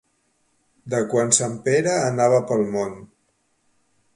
De quan sant Pere anava pel món.